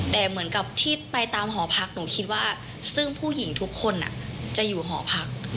แต่เหมือนกับที่ไปตามหอพักหนูคิดว่าซึ่งผู้หญิงทุกคนจะอยู่หอพัก